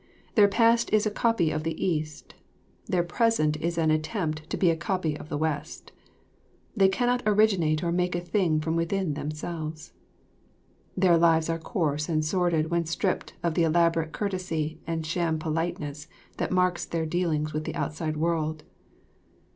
Their past is a copy of the East; their present is an attempt to be a copy of the West. They cannot originate or make a thing from within them selves. Their lives are coarse and sordid when stripped of the elaborate courtesy and sham politeness that marks their dealings with the outside world.